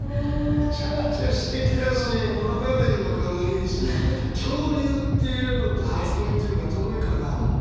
めちゃくちゃすてきだし物語もかわいいし「恐竜」っていうのと「初恋」っていうのが遠いからＬＯＶＥ